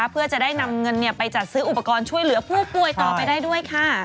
เพื่อจะได้นำเงินไปจัดซื้ออุปกรณ์ช่วยเหลือผู้ป่วยต่อไปได้ด้วยค่ะ